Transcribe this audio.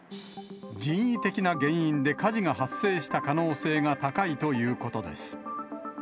人為的な原因で火事が発生した可能性が高いということです。